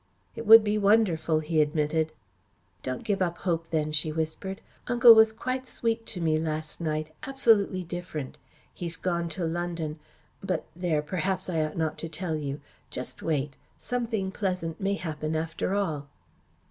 "It would be wonderful," he admitted. "Don't give up hope then," she whispered. "Uncle was quite sweet to me last night absolutely different. He's gone to London but there, perhaps I ought not to tell you. Just wait. Something pleasant may happen, after all."